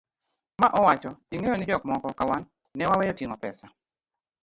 ma owacho, ing'eyo ni jok moko ka wan ne waweyo ting'o pesa